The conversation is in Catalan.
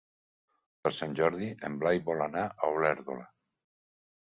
Per Sant Jordi en Blai vol anar a Olèrdola.